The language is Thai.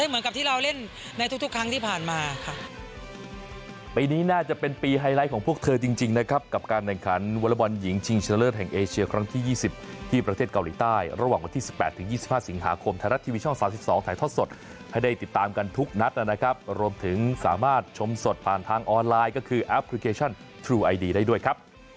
เหมือนกับที่เราเล่นในทุกครั้งที่ผ่านมาค่ะ